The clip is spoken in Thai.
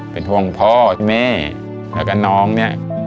เป็นห่วงพ่อแม่แล้วก็น้องเนี่ย